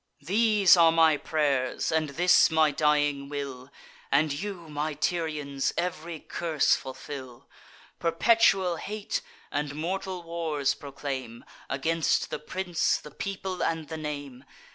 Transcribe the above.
These are my pray'rs, and this my dying will; And you, my Tyrians, ev'ry curse fulfil. Perpetual hate and mortal wars proclaim, Against the prince, the people, and the name.